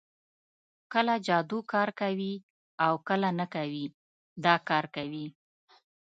کله جادو کار کوي او کله نه کوي دا کار کوي